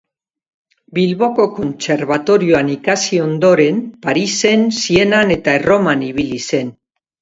Bilboko kontserbatorioan ikasi ondoren, Parisen, Sienan eta Erroman ibili zen.